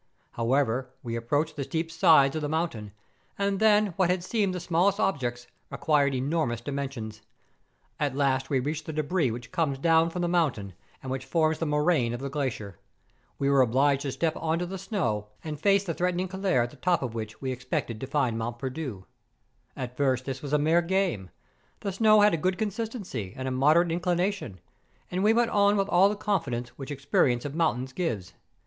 However, we approached the steep sides of the mountain, and then what had seemed the smallest ob¬ jects acquired enormous dimensions. At last we 134 MOUNTAIN ADVENTUKES. reached the debris which comes down from the moun¬ tain, and which forms the moraine of the glacier. We were obliged to step on to the snow and face the threatening couloir at the top of which we expected to find Mont Perdu. At first this was a mere game; the snow had a good consistency and a moderate inclina¬ tion ; and we went on with all the confidence which experience of mountains gives.